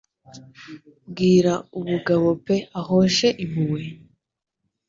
Bwira ubugabo pe uhoshe impuhwe;